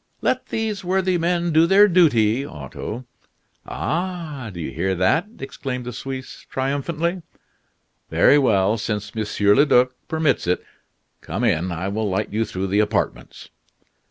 "Let these worthy men do their duty, Otto." "Ah! do you hear that!" exclaimed the Suisse triumphantly. "Very well, since Monsieur le Duc permits it. Come in, I will light you through the apartments."